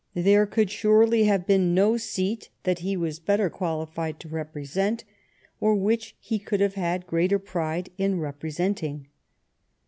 There could surely have been no seat that he was better qualified to represent, or which he could have had greater pride in repre senting.